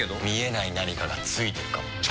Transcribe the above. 見えない何かがついてるかも。